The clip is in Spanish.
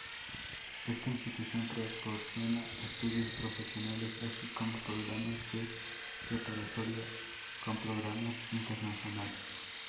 Esta institución proporciona estudios profesionales, así como programas de preparatoria con programas internacionales.